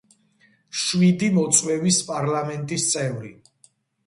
შვიდი მოწვევის პარლამენტის წევრი.